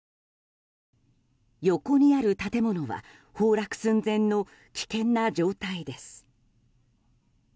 横にある建物は崩落寸前の危険な状態です。